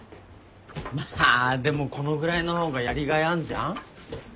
まあでもこのぐらいの方がやりがいあんじゃん。